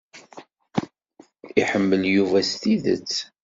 Iḥemmel Yuba s tidet.